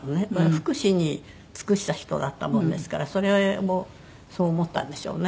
福祉に尽くした人だったものですからそれもそう思ったんでしょうね。